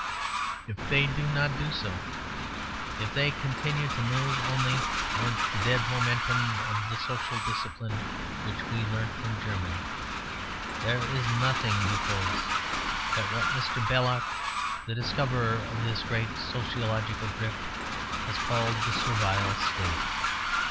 If they do not do so, if they continue to move only with the dead momentum of the social discipline which we learnt from Germany, there is nothing before us but what Mr. Belloc, the discoverer of this great sociological drift, has called the Servile State.